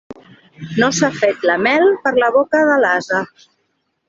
No s'ha fet la mel per a la boca de l'ase.